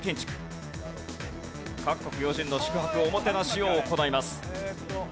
各国要人の宿泊おもてなしを行います。